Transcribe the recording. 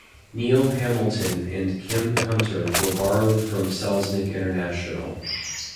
Neil Hamilton and Kim Hunter were borrowed from Selznick International.